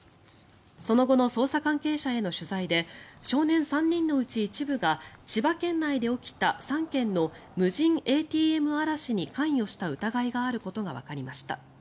その後の捜査関係者への取材で少年３人のうち一部が千葉県内で起きた３件の無人ＡＴＭ荒らしに関与した疑いがあることがわかりました。